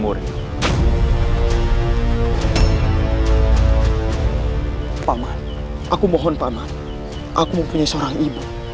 bahwa kamu mempunyai seorang ibu